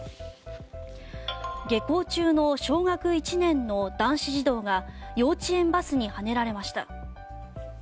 下校中の小学１年の男子児童が幼稚園バスにはねられました。